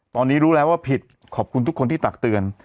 ตอนนี้รู้แล้วว่าผิดขอบคุณทุกคนที่ตักเตือน